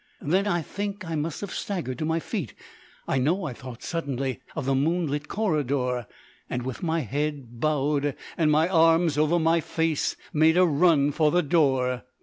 Then I think I must have staggered to my feet. I know I thought suddenly of the moonlit corridor, and, with my head bowed and my arms over my face, made a run for the door.